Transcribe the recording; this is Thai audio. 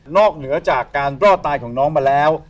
เหนือจากการรอดตายของน้องมาแล้ว